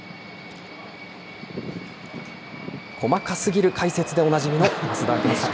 細かすぎる解説でおなじみの増田明美さん。